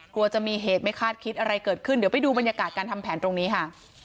กลัวจะมีเหตุไม่คาดคิดอะไรเกิดขึ้นเดี๋ยวไปดูบรรยากาศการทำแผนตรงนี้ค่ะ